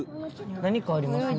何かありますね。